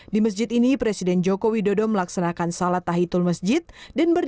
di masjid ini presiden joko widodo melaksanakan salat tahiyatul masjid dan berdiri